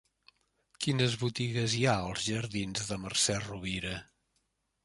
Quines botigues hi ha als jardins de Mercè Rovira?